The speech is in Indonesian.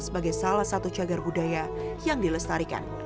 sebagai salah satu cagar budaya yang dilestarikan